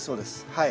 はい。